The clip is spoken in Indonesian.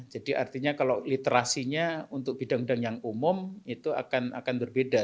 artinya kalau literasinya untuk bidang bidang yang umum itu akan berbeda